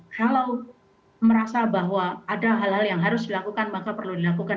kalau merasa bahwa ada hal hal yang harus dilakukan maka perlu dilakukan